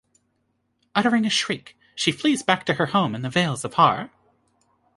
Uttering a shriek, she flees back to her home in the Vales of Har.